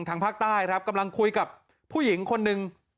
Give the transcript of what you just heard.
ทางภาคใต้ครับกำลังคุยกับผู้หญิงคนหนึ่ง